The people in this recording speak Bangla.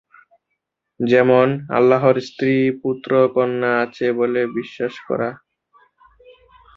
যেমন: আল্লাহর স্ত্রী, পুত্র, কন্যা আছে বলে বিশ্বাস করা।